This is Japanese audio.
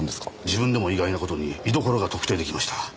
自分でも意外な事に居所が特定出来ました。